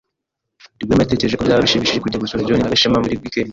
Rwema yatekereje ko byaba bishimishije kujya gusura John na Gashema muri wikendi.